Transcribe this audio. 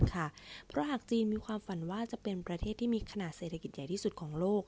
เพราะหากจีนมีความฝันว่าจะเป็นประเทศที่มีขนาดเศรษฐกิจใหญ่ที่สุดของโลก